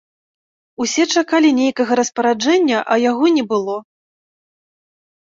Усе чакалі нейкага распараджэння, а яго не было.